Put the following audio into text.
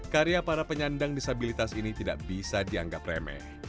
karya para penyandang disabilitas ini tidak bisa dianggap remeh